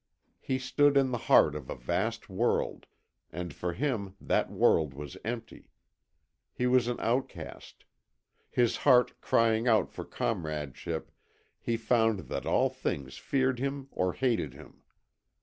He stood in the heart of a vast world, and for him that world was empty. He was an outcast. His heart crying out for comradeship, he found that all things feared him or hated him.